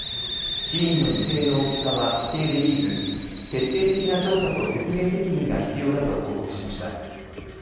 市民の犠牲の大きさは否定できず徹底的な調査と説明責任が必要だと報告しました。